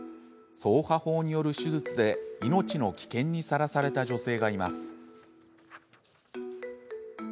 そうは法による手術で命の危険にさらされた女性がいます。